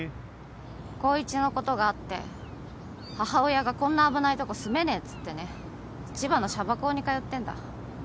光一のことがあって母親がこんな危ないとこ住めねえっつってね千葉のシャバ校に通ってんだ。